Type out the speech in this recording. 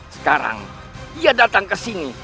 sekarang ia datang ke sini